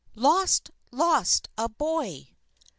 LOST! LOST! A BOY!